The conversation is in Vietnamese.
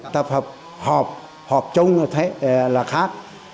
tập hợp họp họp chung là khác